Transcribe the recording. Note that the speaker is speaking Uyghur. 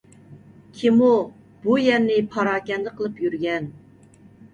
كىم ئۇ، بۇ يەرنى پاراكەندە قىلىپ يۈرگەن !؟